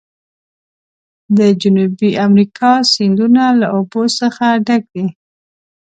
د جنوبي امریکا سیندونه له اوبو څخه ډک دي.